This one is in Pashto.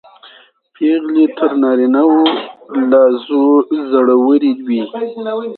پېغلې تر نارینه و لا زړورې وې.